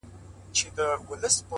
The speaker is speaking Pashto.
اوس مي نو ومرگ ته انتظار اوسئ؛